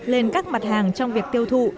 lên các mặt hàng trong việc tiêu thụ